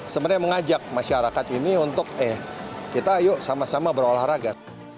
sebenarnya mengajak masyarakat ini untuk eh kita ayo sama sama berolahraga